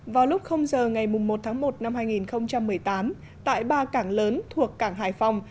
vào lúc giờ ngày một một hai nghìn một mươi tám tại ba cảng lớn thuộc cảng hải phòng